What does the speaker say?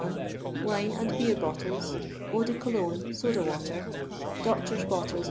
Wine & Beer Bottles Eau de Cologne, Soda Water Doctor*' Bottles, Ac.